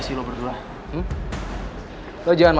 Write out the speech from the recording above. saya mau n attends irrelevant hour dananha